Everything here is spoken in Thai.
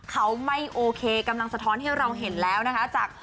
เขาไม่โอเคกำลังสะท้อนให้เราเห็นแล้วนะคะจาก